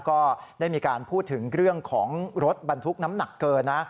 ก็ได้มีการพูดถึงเรื่องของรถบรรทุกน้ำหนักเกินนะ